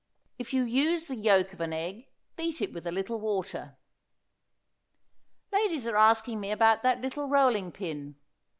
If you use the yolk of an egg, beat it with a little water. Ladies are asking me about that little rolling pin.